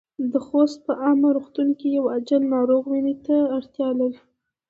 د خوست په عامه روغتون کې يو عاجل ناروغ وينې ته اړتیا لري.